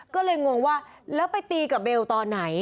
ก็เลยงงว่าแล้วไปตีกับเบลตอนไหน